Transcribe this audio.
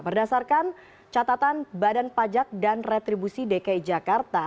berdasarkan catatan badan pajak dan retribusi dki jakarta